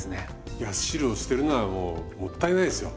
いや汁を捨てるのはもうもったいないですよ。